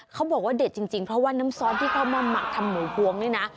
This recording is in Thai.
เขาบอกว่าเด็ดจริงเพราะว่าน้ำซอสที่เขามาหมักทำหมูพวงนี่นะ